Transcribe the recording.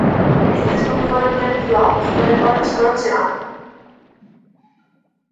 Estes non foron tempos doados, os recortes foron chegando.